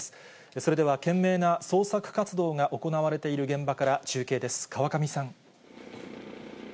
それでは懸命な捜索活動が行われている現場から中継です。